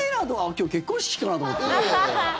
今日、結婚式かなと思って。